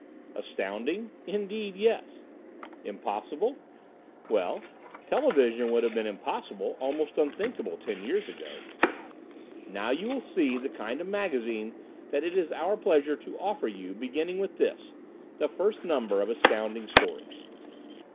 Astounding? Indeed, yes. Impossible? Well television would have been impossible, almost unthinkable, ten years ago. Now you will see the kind of magazine that it is our pleasure to offer you beginning with this, the first number of ASTOUNDING STORIES.